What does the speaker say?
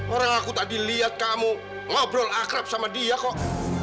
orang aku tadi lihat kamu ngobrol akrab sama dia kok